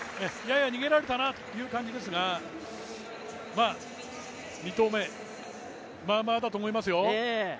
やや逃げられたなという感じですが、まあ２投目、まあまあだと思いますよ。